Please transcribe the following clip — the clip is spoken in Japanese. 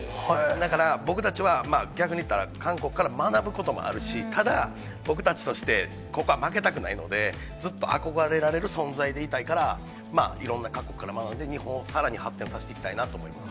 だから僕たちは逆に言ったら、韓国から学ぶこともあるし、ただ、僕たちとして、ここは負けたくないので、ずっと憧れられる存在でいたいから、いろんな各国から学んで、日本をさらに発展させていきたいなと思います。